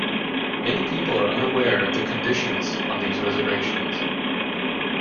Many people are unaware of the conditions on these reservations.